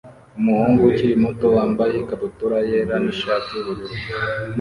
Umuhungu ukiri muto wambaye ikabutura yera nishati yubururu